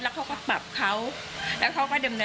แต่เขายิงลงคืนขู่ไม่ให้เขาเข้ามา